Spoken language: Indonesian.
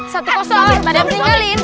satu kosong badan tinggalin